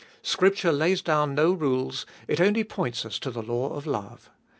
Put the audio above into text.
Scripture lays down no rules, it only points us to the law of love.